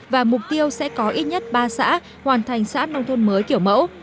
và mục tiêu sẽ có ít nhất ba xã hoàn thành xã nông thôn mới kiểu mẫu